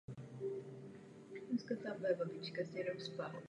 Následující soupis je demonstrativní.